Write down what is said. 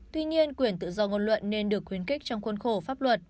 tuy nhiên quyền tự do ngôn luận nên được khuyến khích trong khuôn khổ pháp luật